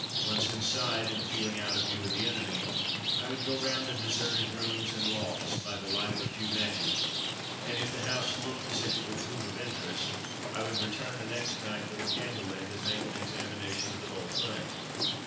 Once inside, and feeling out of view of the enemy, I would go round the deserted rooms and lofts by the light of a few matches, and if the house looked as if it would prove of interest, I would return the next night with a candle end, and make an examination of the whole thing.